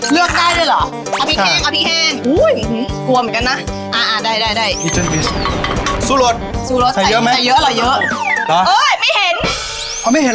เลือกได้ด้วยเหรอ